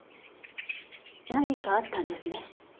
何かあったんですね？